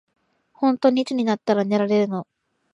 ほんとにいつになったら寝れるの。